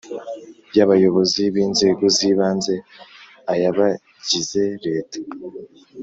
y abayobozi b Inzego z ibanze ay abagize leta